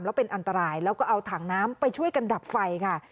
แล้วเป็นอันตรายแล้วก็เอาถังน้ำไปช่วยกันดับไฟค่ะ